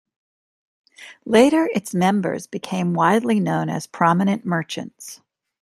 Later its members became widely known as prominent merchants.